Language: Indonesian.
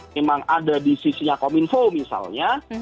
memang ada di sisinya kominfo misalnya